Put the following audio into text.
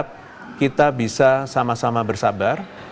meskipun demikian saya harap kita bisa sama sama bersabar